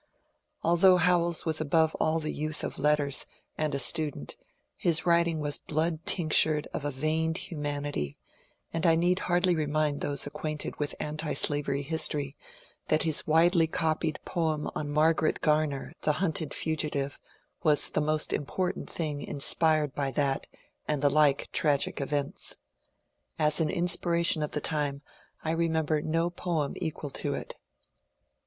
Although Howells was above all the youth of letters and a student, his writing was '^ blood tinctured of a veined human ity," and I need hardly remind those acquainted with anti slavery history that his widely copied poem on Margaret Gamer, the hunted fugitive, was the most important thing inspired by that and the like tragic events. As an inspiration of the time I remember no poem equal to it.